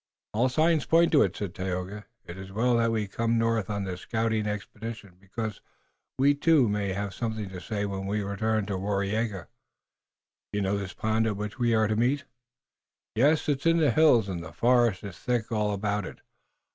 "All signs point to it," said Tayoga. "It is well that we came north on this scouting expedition, because we, too, may have something to say when we return to Waraiyageh." "You know this pond at which we are to meet?" "Yes, it is in the hills, and the forest is thick all about it.